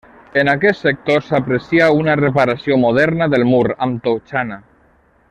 En aquest sector s'aprecia una reparació moderna del mur, amb totxana.